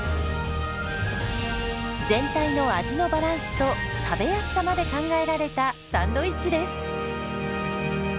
全体の味のバランスと食べやすさまで考えられたサンドイッチです。